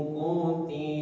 apa yang kita lakukan